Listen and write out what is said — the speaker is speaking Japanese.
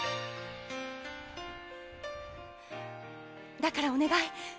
だからお願い。